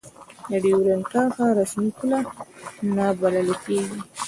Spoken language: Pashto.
د دیورند کرښه رسمي پوله نه بلله کېږي.